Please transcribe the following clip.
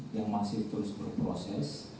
yang masih terus berproses